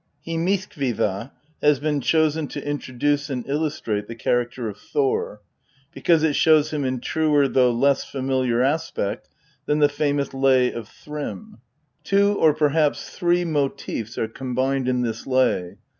Hymiskvtya has been chosen to introduce and illustrate the character of Thor, because it shows him in truer though less familiar aspect than the famous Lay of Thrym. Two, or perhaps three, motives are combined in this lay.